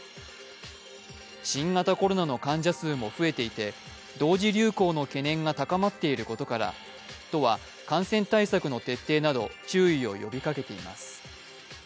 新型コロナの患者数も増えていて同時流行の懸念が高まっていることから都は感染対策の徹底など注意を呼びかけています。